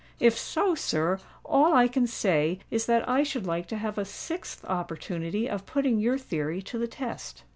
If so, sir, all I can say is that I should like to have a sixth opportunity of putting your theory to the test."